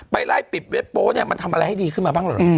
ไล่ปิดเว็บโป๊เนี่ยมันทำอะไรให้ดีขึ้นมาบ้างเหรอ